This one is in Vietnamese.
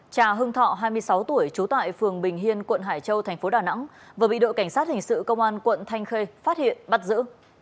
trà hưng thọ hai mươi sáu tuổi trú tại phường bình hiên quận hải châu thành phố đà nẵng vừa bị đội cảnh sát hình sự công an quận thanh khê phát hiện bắt giữ